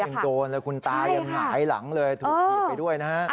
ยังโดนเลยคุณตายังหงายหลังเลยถูกถีบไปด้วยนะฮะ